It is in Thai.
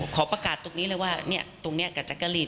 ขอประกาศตรงนี้เลยว่าตรงนี้กับจักรีน